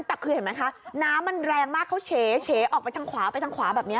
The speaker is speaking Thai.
แต่คือเห็นไหมคะน้ำมันแรงมากเขาเฉออกไปทางขวาไปทางขวาแบบนี้